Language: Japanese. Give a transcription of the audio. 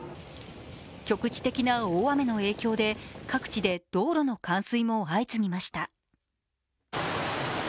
局地的な大雨の影響で各地で道路の冠水も相次ぎました。